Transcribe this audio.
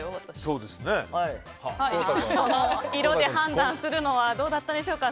色で判断するのはどうだったでしょうか。